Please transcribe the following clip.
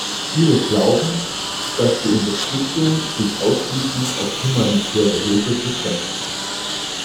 Viele glauben, dass die Unterstützung sich ausschließlich auf humanitäre Hilfe beschränkt.